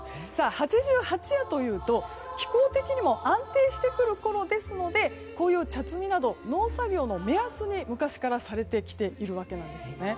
八十八夜というと気候的にも安定してくる頃ですのでこういう茶摘みなど農作業の目安に昔からされてきているわけです。